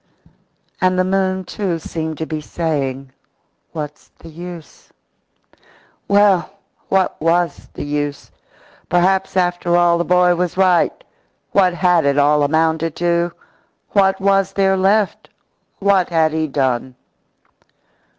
And the moon, too, seemed to be saying: "What's the use?" Well, what was the use? Perhaps, after all, the boy was right. What had it all amounted to? What was there left? What had he done?